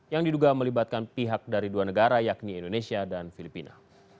yang diduga melibatkan pihak dari dua negara yakni indonesia dan filipina